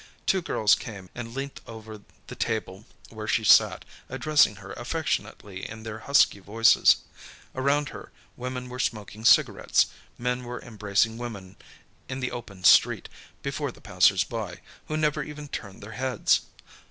Two girls came and leant over the table where she sat, addressing her affectionately in their husky voices. Around her, women were smoking cigarettes, men were embracing women in the open street, before the passers by, who never even turned their heads.